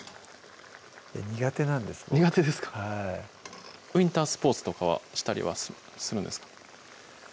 苦手なんです僕苦手ですかウインタースポーツとかはしたりはするんですか？